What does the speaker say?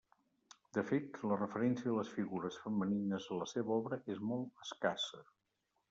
De fet, la referència a les figures femenines en la seva obra és molt escassa.